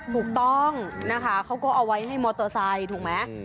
ถูกต้องนะคะเขาก็เอาไว้ให้มอเตอร์ไซค์ถูกไหม